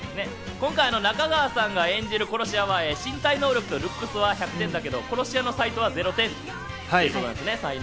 今回、中川さんが演じる殺し屋は身体能、ルックスは１００点だけど、殺し屋の才能は０点ってことですね。